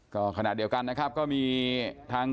ก็ขณะเดียวกันนะครับก็มีทาง